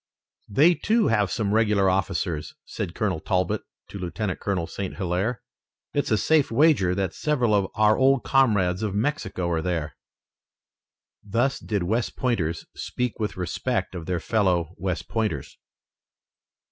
"They, too, have some regular officers," said Colonel Talbot to Lieutenant Colonel St. Hilaire. "It's a safe wager that several of our old comrades of Mexico are there." Thus did West Pointers speak with respect of their fellow West Pointers.